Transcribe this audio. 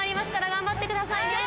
頑張ってくださいね。